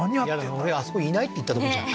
俺あそこいないって言ったとこじゃん